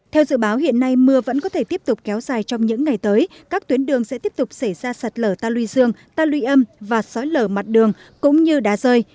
theo dự báo hiện nay mưa vẫn có thể tiếp tục kéo dài trong những ngày tới các tuyến đường sẽ tiếp tục xảy ra sạt lở ta luy dương ta luy âm và sói lở mặt đường cũng như đá rơi